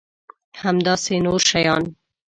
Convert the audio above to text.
همداسې نور شیان.